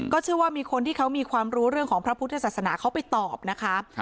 เชื่อว่ามีคนที่เขามีความรู้เรื่องของพระพุทธศาสนาเขาไปตอบนะคะ